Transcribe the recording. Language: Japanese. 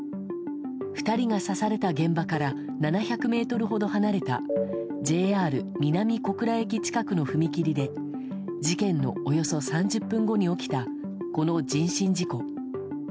２人が刺された現場から７００ｍほど離れたＪＲ南小倉駅近くの踏切で事件のおよそ３０分後に起きたこの人身事故。